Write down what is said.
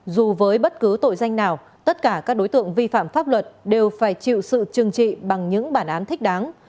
dù với bất cứ tội danh nào tất cả các đối tượng vi phạm pháp luật đều phải chịu sự trừng trị bằng những bản án thích đáng